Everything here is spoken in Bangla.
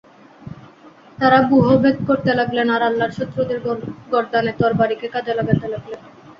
তারা ব্যুহ ভেদ করতে লাগলেন আর আল্লাহর শত্রুদের গর্দানে তরবারীকে কাজে লাগাতে লাগলেন।